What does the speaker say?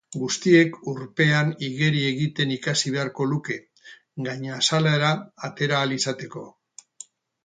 Guztiek urpean igeri egiten ikasi beharko luke, gainazalera atera ahal izateko.